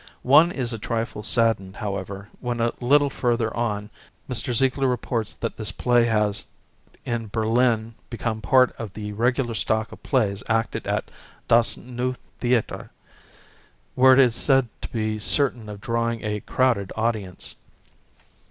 One is a trifle saddened, however, when a little further on Mr. Ziegler reports that this play has '* In Berlin ... become a part of the regular stock of plays acted at *Das Neue Theater,' where it is said to be certain of drawing a crowded audience."